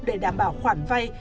để đảm bảo khoản vai